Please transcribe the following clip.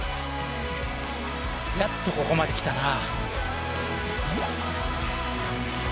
やっとここまで来たな。